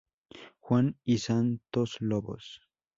Juan y Santos Lobos.